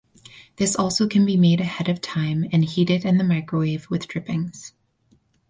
This also can be made ahead of time and heated in microwave with drippings.